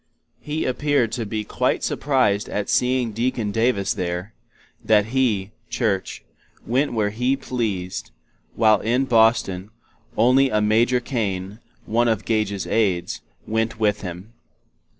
He appeared to be quite surprized at seeing Deacon Davis there; that he (Church) went where he pleased, while in Boston, only a Major Caine, one of Gage's Aids, went with him.